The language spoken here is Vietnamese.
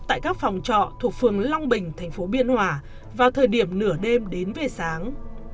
tại các phòng trọ thuộc phường long bình thành phố biên hòa vào thời điểm nửa đêm đến về sáng